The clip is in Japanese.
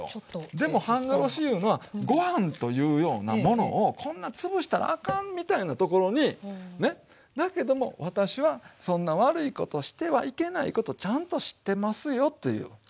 でも半殺しいうのはご飯というようなものをこんな潰したらあかんみたいなところにねだけども私はそんな悪いことしてはいけないことちゃんと知ってますよという。